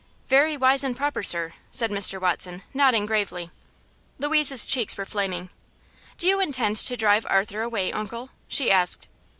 "Very wise and proper, sir," said Mr. Watson, nodding gravely. Louise's cheeks were flaming. "Do you intend to drive Arthur away, Uncle?" she asked.